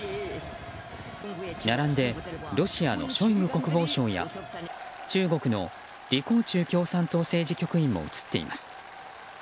並んでロシアのショイグ国防相や中国のリ・コウチュウ共産党政治局員も映っています。